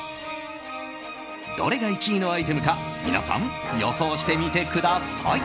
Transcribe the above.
どれが１位のアイテムか皆さん、予想してみてください。